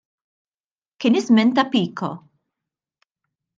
Kien iż-żmien ta' Pico.